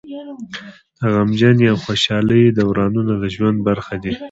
د غمجنۍ او خوشحالۍ دورانونه د ژوند برخه دي.